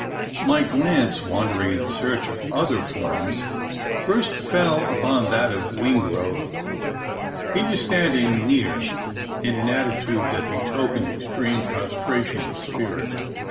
My glance, wandering in search of other forms, first fell upon that of Wingrove. He was standing near, in an attitude that betokened extreme prostration of spirit.